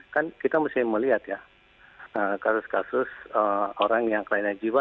kan kita mesti melihat ya kasus kasus orang yang kelainan jiwa